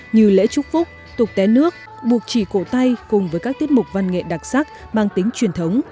như lễ trúc phúc tục té nước buộc chỉ cổ tay cùng với các tiết mục văn nghệ đặc sắc mang tính truyền thống